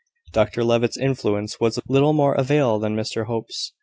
Dr Levitt's influence was of little more avail than Mr Hope's.